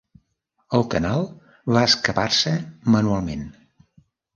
El canal va excavar-se manualment.